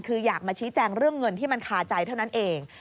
คืออยากมาชี้แจงเรื่องเงินที่มันคาใจเท่านั้นเอง